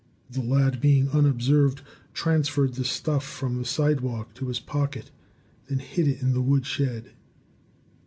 The lad, being unobserved, transferred the stuff from the sidewalk to his pocket, then hid it in the wood shed.